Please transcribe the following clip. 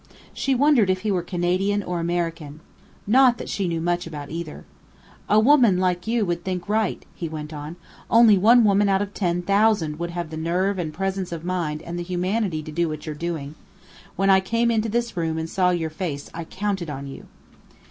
She wondered if he were Canadian or American. Not that she knew much about either. "A woman like you would think right!" he went on. "Only one woman out of ten thousand would have the nerve and presence of mind and the humanity to do what you're doing. When I came into this room and saw your face I counted on you."